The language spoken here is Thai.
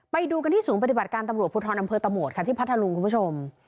ไปดูกันที่ศูนย์ปฏิบัติการตำรวจภูทรอำเภอตะโหมดค่ะที่พัทธรุงคุณผู้ชม